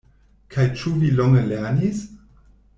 Kaj ĉu vi longe lernis?